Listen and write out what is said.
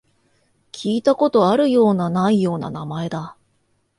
聞いたことあるような、ないような名前だ